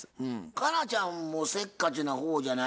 佳奈ちゃんもせっかちな方じゃないですか？